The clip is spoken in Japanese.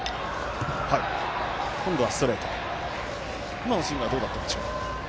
今のスイングはどうだったんでしょうか。